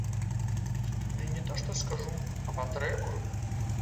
Ды не то што скажу, а патрэбую.